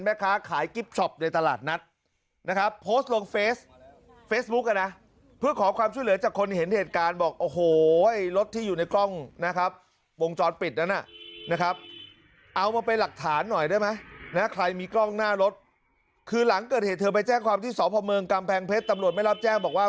ที่จะขอความช่วยเหลือจากคนเห็นเหตุการณ์บอกโอโหเฮ้ยรถที่อยู่ในกล้องนะครับวงจรปิดนะครับเอามาไปหลักฐานหน่อยด้วยมั้ยนะครับใครมีกล้องหน้ารถคือหลังเกิดเหตุเธอไปแจ้งความที่สพเมกำแพงเพชรตำรวจไม่รับแจ้งบอกว่า